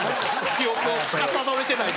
記憶をつかさどれてない。